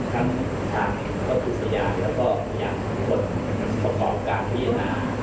ทั้งทางวัตถุพยานแล้วก็อย่างผลประกอบการพิจารณา